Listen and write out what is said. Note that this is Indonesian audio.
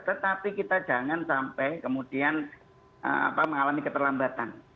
tetapi kita jangan sampai kemudian mengalami keterlambatan